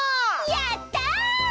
やった！